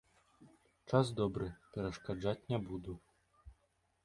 Час добры, перашкаджаць не буду.